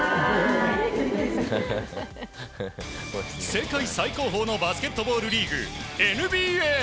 世界最高峰のバスケットボールリーグＮＢＡ。